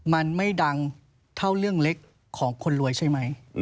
มันไม่ดังเท่าเรื่องเล็กของคนรวยใช่ไหม